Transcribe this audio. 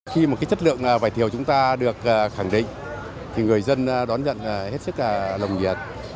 khi mà cái chất lượng vải thiều chúng ta được khẳng định thì người dân đón nhận hết sức là lồng nhiệt